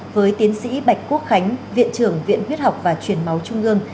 với tiến sĩ bạch quốc khánh viện trưởng viện huyết học và truyền máu trung ương